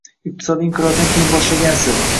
iqtisodiy inqirozdan keyin boshlagansiz.